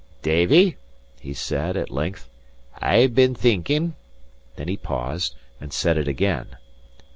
"Davie," he said, at length, "I've been thinking;" then he paused, and said it again.